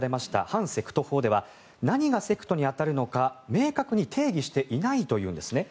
反セクト法では何がセクトに当たるのか明確に定義していないというんですね。